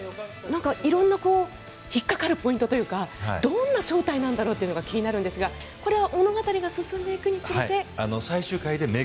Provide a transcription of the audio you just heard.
なんか、色々な引っかかるポイントというかどんな正体なんだろうというのが気になるんですがこれは物語が進んでいくにつれて？